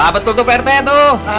betul tuh prt tuh